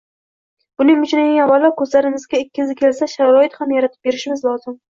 Buning uchun esa avvalo ko`zlarimizga kezi kelsa sharoit ham yaratib berishimiz lozim